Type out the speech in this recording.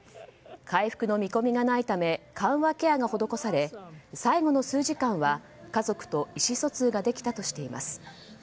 回復の見込みがないため緩和ケアが施され最後の数時間は家族と意思疎通ができたとしています。